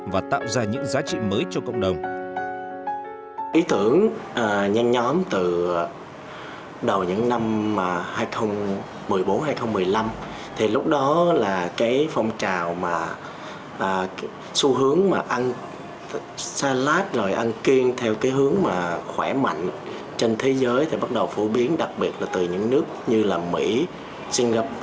và giúp đỡ các chị mới trong cộng đồng